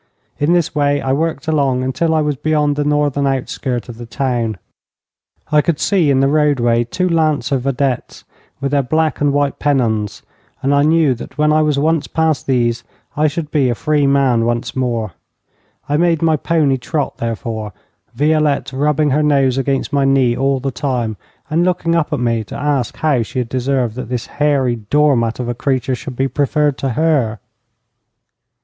In this way I worked along until I was beyond the northern outskirt of the town. I could see in the roadway two lancer vedettes with their black and white pennons, and I knew that when I was once past these I should be a free man once more. I made my pony trot, therefore, Violette rubbing her nose against my knee all the time, and looking up at me to ask how she had deserved that this hairy doormat of a creature should be preferred to her.